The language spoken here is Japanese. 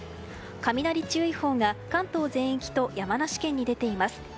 雷注意報が関東全域と山梨県に出ています。